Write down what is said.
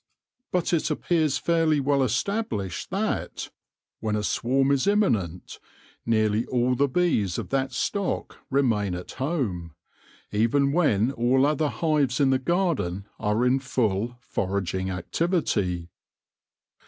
But it appears fairly well established that, when a swarm is imminent, nearly all the bees of that stock remain at home, even when all other hives in the garden are in full foraging activity.